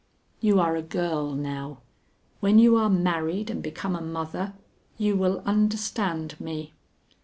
You are a girl now; when you are married and become a mother, you will understand me.